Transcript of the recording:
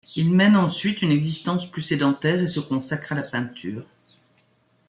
Il mène ensuite une existence plus sédentaire et se consacre à la peinture.